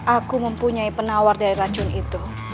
aku mempunyai penawar dari racun itu